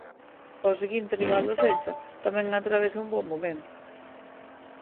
O seguinte rival do Celta tamén atravesa un bo momento.